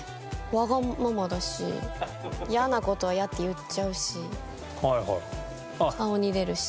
わがままだし嫌な事は嫌って言っちゃうし顔に出るし。